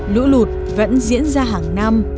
lũ lụt vẫn diễn ra hàng năm